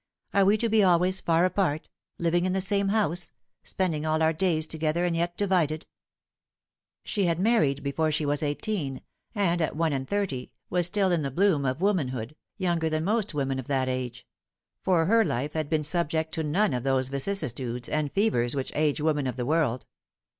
" Are we to be always far apart living in the same house, spending all our days together, and yet divided ?" She had married before she was eighteen, and at one and thirty was still in the bloom of womanhood, younger than most women of that age ; for her life had been subject to none of those vicissitudes and fevers which age women of the world.